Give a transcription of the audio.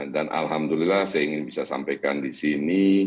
dan alhamdulillah saya ingin bisa sampaikan di sini